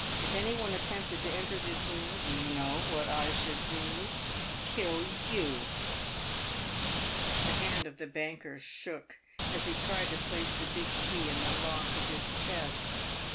If any one attempted to enter this room, do you know what I should do ?— kill yowl" The hand of the banker shook, as he tried to place the big key in the lock of his chest.